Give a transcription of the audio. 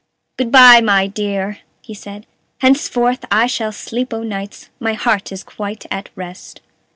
"Good by, my dear!" he said; "henceforth I shall sleep o' nights; my heart is quite at rest."